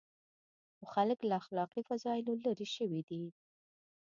خو خلک له اخلاقي فضایلو لرې شوي دي.